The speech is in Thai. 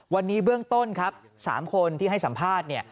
วันนี้เบื้องต้นครับ๓คนที่ให้สัมภาษณ์เนี่ย